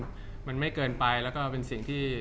จากความไม่เข้าจันทร์ของผู้ใหญ่ของพ่อกับแม่